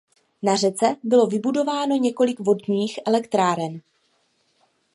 Na řece bylo vybudováno několik vodních elektráren.